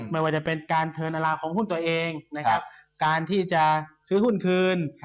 ไม่ว่าจะเป็นการเทินอราของหุ้นตัวเองนะครับการที่จะซื้อหุ้นคืน